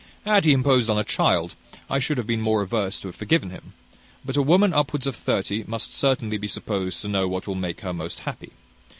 Had he imposed on a child, I should have been more averse to have forgiven him; but a woman upwards of thirty must certainly be supposed to know what will make her most happy.